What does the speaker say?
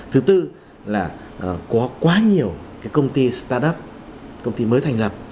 thứ tư là có quá nhiều công ty start up công ty mới thành lập